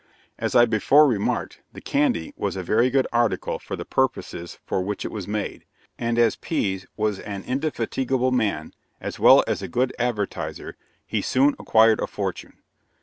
As I before remarked, the "candy" was a very good article for the purposes for which it was made; and as Pease was an indefatigable man, as well as a good advertiser, he soon acquired a fortune.